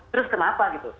terus kenapa gitu